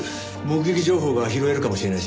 目撃情報が拾えるかもしれないしね。